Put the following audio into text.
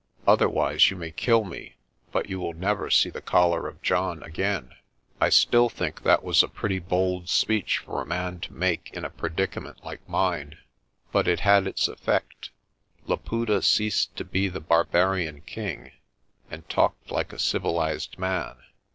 Otherwise you may kill me but you will never see the collar of John again." I still think that was a pretty bold speech for a man to make in a predicament like mine. But it had its effect. Laputa ceased to be the barbarian king, and talked like a civilised man.